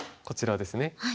こちらですね。